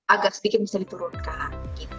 agar sedikit bisa diturunkan